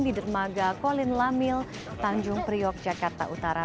di dermaga kolin lamil tanjung priok jakarta utara